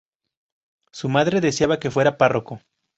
Su madre deseaba que fuera párroco.